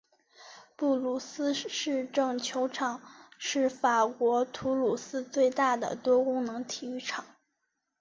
土鲁斯市政球场是法国土鲁斯最大的多功能体育场。